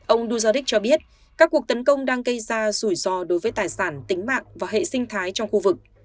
ông duzaric cho biết các cuộc tấn công đang gây ra rủi ro đối với tài sản tính mạng và hệ sinh thái trong khu vực